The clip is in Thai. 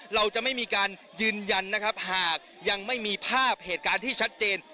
เราจะไม่มีการยืนยันนะครับหากยังไม่มีภาพเหตุการณ์ที่ชัดเจน